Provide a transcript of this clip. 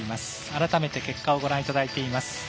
改めて結果をご覧いただいています。